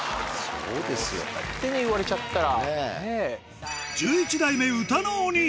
そうやって言われちゃったら。